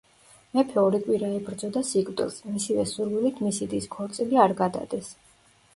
მეფე ორი კვირა ებრძოდა სიკვდილს, მისივე სურვილით მისი დის ქორწილი არ გადადეს.